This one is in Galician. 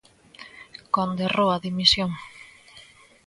Conde Roa, dimisión.